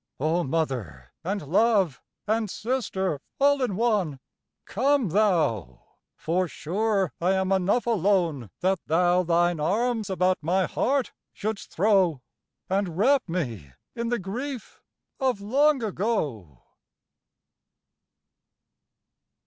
O Mother, and Love and Sister all in one, Come thou; for sure I am enough alone That thou thine arms about my heart shouldst throw, And wrap me in the grief of long ago.